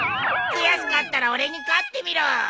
悔しかったら俺に勝ってみろ。